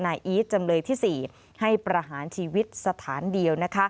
อีทจำเลยที่๔ให้ประหารชีวิตสถานเดียว